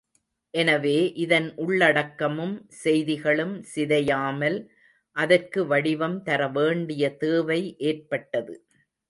எனவே இதன் உள்ளடக்கமும் செய்திகளும் சிதையாமல் அதற்கு வடிவம் தரவேண்டிய தேவை ஏற்பட்டது.